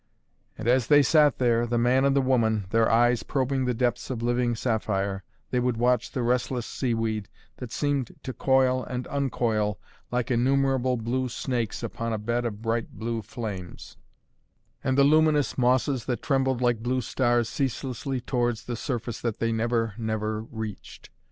And as they sat there, the man and the woman, their eyes probing the depths of living sapphire, they would watch the restless sea weed that seemed to coil and uncoil like innumerable blue snakes upon a bed of bright blue flames, and the luminous mosses that trembled like blue stars ceaselessly towards the surface that they never, never reached.